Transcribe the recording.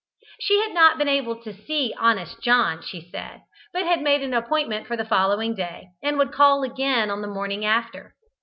She had not been able to see Honest John, she said, but had made an appointment for the following day, and would call again on the morning after.